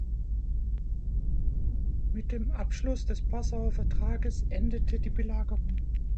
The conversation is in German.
Mit dem Abschluss des Passauer Vertrages endete die Belagerung.